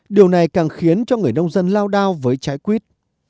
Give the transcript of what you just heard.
điều này càng khiến cho người nông dân lao đao với trái quýt